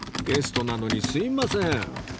ゲストなのにすみません